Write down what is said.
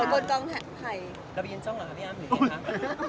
กระเบียนจ้องหรอพี่อ้ำเหมือนไงครับ